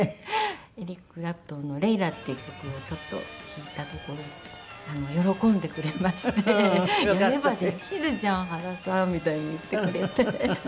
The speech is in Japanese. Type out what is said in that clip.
エリック・クラプトンの『Ｌａｙｌａ』っていう曲をちょっと弾いたところ喜んでくれまして「やればできるじゃん原さん」みたいに言ってくれて。